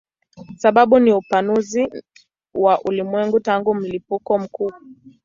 Sababu ni upanuzi wa ulimwengu tangu mlipuko mkuu.